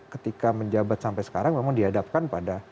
ketika menjabat sampai sekarang memang dihadapkan pada